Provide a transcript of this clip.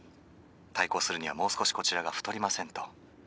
対抗するにはもう少しこちらが太りませんと」。